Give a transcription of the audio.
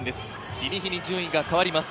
日に日に順位が変わります。